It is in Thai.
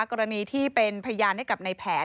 กรณีที่เป็นพยานให้กับในแผน